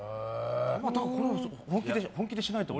これ、本気でしないと思う。